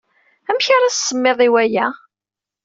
Amek ara as-tsemmiḍ i waya?